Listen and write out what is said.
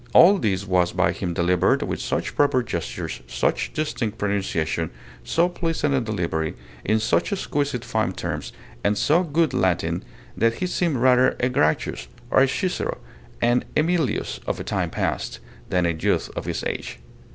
All this was by him delivered with such proper gestures, such distinct pronunciation, so pleasant a delivery, in such exquisite fine terms, and so good Latin, that he seemed rather a Gracchus, a Cicero, an Aemilius of the time past, than a youth of this age.